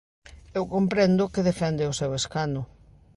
Eu comprendo que defende o seu escano.